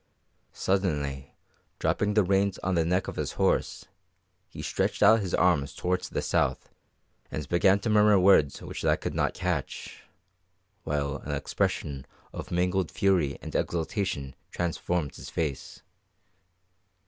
Suddenly dropping the reins on the neck of his horse, he stretched out his arms towards the south and began to murmur words which I could not catch, while an expression of mingled fury and exultation transformed his face.